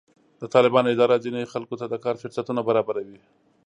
د طالبانو اداره ځینې خلکو ته د کار فرصتونه برابروي.